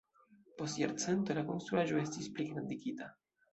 Post jarcento la konstruaĵo estis pligrandigita.